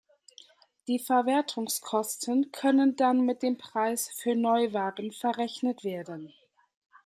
Die Verwertungskosten können dann mit dem Preis für Neuwagen verrechnet werden.